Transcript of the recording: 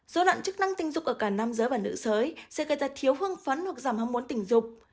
dối loạn chức năng tình dục ở cả nam giới và nữ giới sẽ gây ra thiếu hương phấn hoặc giảm ham muốn tình dục